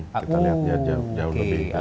kita lihat jauh lebih gelap